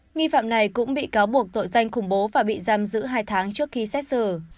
nghi phạm này cũng bị cáo buộc tội danh khủng bố và bị giam giữ hai tháng trước khi xét xử